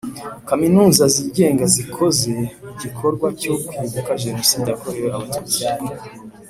Kaminuza zigenga zakoze igikorwa cyo kwibuka jenoside yakorewe abatutsi